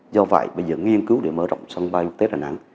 do vậy bây giờ nghiên cứu để mở rộng sân bay quốc tế đà nẵng